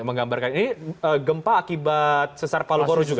menggambarkan ini gempa akibat sesar palukoro juga